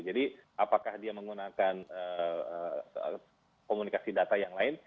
apakah dia menggunakan komunikasi data yang lain